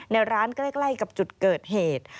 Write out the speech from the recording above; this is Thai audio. ในร้านใกล้กับจุดเกิดเหตุ